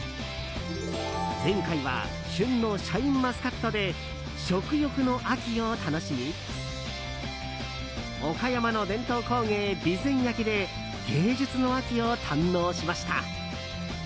前回は旬のシャインマスカットで食欲の秋を楽しみ岡山の伝統工芸、備前焼で芸術の秋を堪能しました。